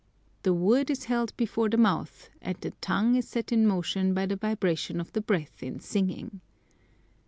The wood is held before the mouth, and the tongue is set in motion by the vibration of the breath in singing.